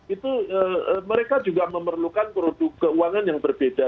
itu mereka juga memerlukan produk keuangan yang berbeda